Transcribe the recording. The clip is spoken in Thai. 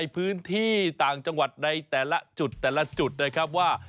พื้นที่ต่างจังหวัดในแต่ละจุดแต่ละจุดนะครับว่า